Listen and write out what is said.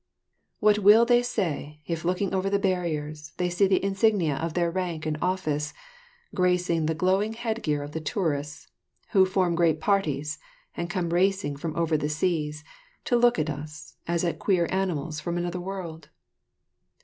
What will they say if looking over the barriers they see the insignia of their rank and office gracing the glowing head gear of the tourists who form great parties and come racing from over the seas to look at us as at queer animals from another world?